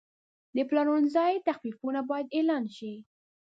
د پلورنځي تخفیفونه باید اعلان شي.